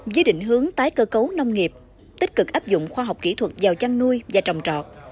với định hướng tái cơ cấu nông nghiệp tích cực áp dụng khoa học kỹ thuật vào chăn nuôi và trồng trọt